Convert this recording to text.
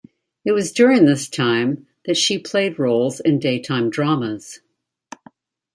It was during this time that she played roles in daytime dramas.